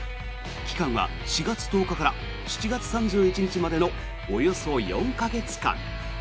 期間は４月１０日から７月３１日までのおよそ４か月間。